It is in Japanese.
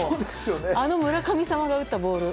あの村上さんが打ったボール。